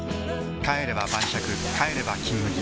帰れば晩酌帰れば「金麦」